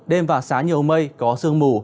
đêm và sáng nhiều mây có sương mù